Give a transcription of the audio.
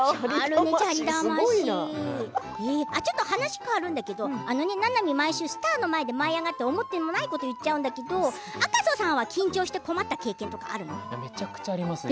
話が変わるんだけどななみ毎週スターの前で舞い上がって思ってもないこと言っちゃうんだけど赤楚さんは緊張して困った経験はないの？ありますよ。